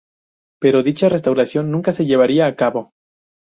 Pero dicha restauración nunca se llevaría a cabo.